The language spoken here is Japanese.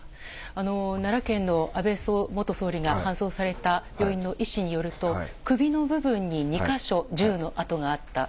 奈良県の安倍元総理が搬送された病院の医師によると、首の部分に２か所銃の痕があった。